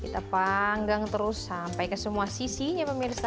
kita panggang terus sampai ke semua sisinya pemirsa